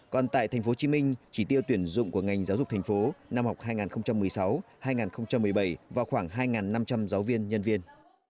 còn tại tp hcm chỉ tiêu tuyển dụng của ngành giáo dục thành phố năm học hai nghìn một mươi sáu hai nghìn một mươi bảy vào khoảng hai năm trăm linh giáo viên nhân viên